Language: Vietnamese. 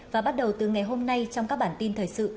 và bắt đầu từ ngày hôm nay trong các bản tin thời sự